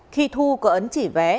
khi thu có ấn chỉ vé